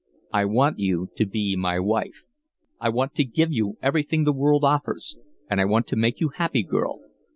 I want you to be my wife. I want to give you everything the world offers, and I want to make you happy, girl.